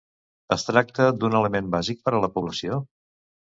Es tracta d'un element bàsic per a la població?